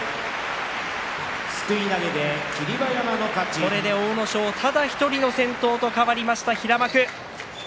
これで阿武咲ただ１人先頭と変わりました平幕。